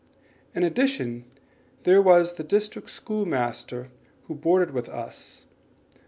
In addition, there was the district school master who boarded with us.